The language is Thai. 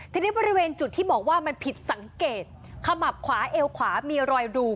ทีนี้บริเวณจุดที่บอกว่ามันผิดสังเกตขมับขวาเอวขวามีรอยดู